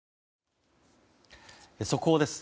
速報です。